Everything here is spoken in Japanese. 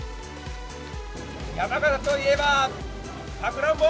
山形といえば、さくらんぼ。